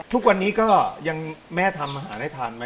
ทุกวันนี้ก็ยังแม่ทำอาหารให้ทานไหม